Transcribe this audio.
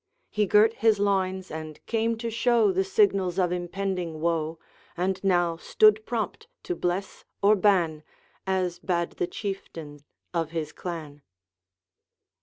He girt his loins, and came to show The signals of impending woe, And now stood prompt to bless or ban, As bade the Chieftain of his clan.